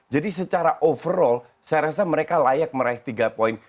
jadi secara overall saya rasa mereka layak meraih tiga poin